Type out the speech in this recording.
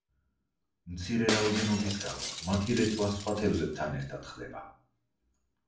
მცირე რაოდენობის გამო მათი რეწვა სხვა თევზებთან ერთად ხდება.